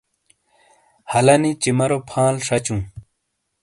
ہَلانی چِمارو فال شچٗوں۔